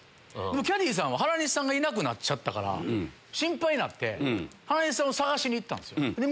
キャディーさんは原西さんがいなくなっちゃったから心配になって原西さんを探しに行ったんです。